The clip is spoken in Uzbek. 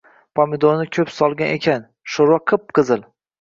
Pomidorni koʼp solgan ekan, shoʼrva qip-qizil.